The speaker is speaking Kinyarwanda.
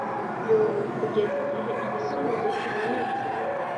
yoo, kugeza igihe igisubizo kibonetse